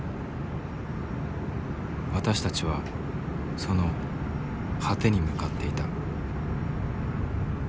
私たちはその果てに向かっていた。